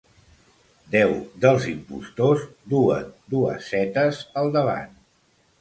Deu dels impostors duen dues zetes al davant.